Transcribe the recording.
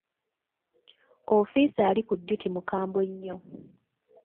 Ofiisa ali ku duty mukambwe nnyo.